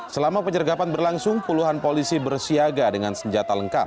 selama penyergapan berlangsung puluhan polisi bersiaga dengan senjata lengkap